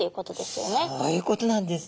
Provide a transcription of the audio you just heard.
そういうことなんです。